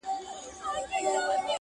د زړه له درده درته وايمه دا،